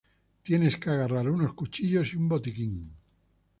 Tienes que agarrar unos cuchillos y un botiquín.